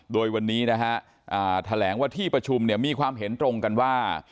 โดยวันนี้แถลงว่าที่ประชุมมีความเห็นตรงกันว่า